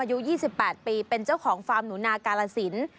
อายุ๒๘ปีเป็นเจ้าของฟาร์มหนูนากาลสิน